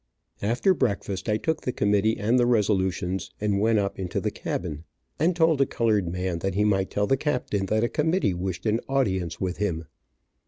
After breakfast, I took the committee and the resolutions, and went up into the cabin, and told a colored man that he might tell the captain that a committee wished an audience with him.